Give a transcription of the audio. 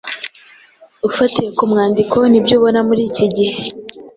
Ufatiye ku mwandiko n’ibyo ubona muri iki gihe,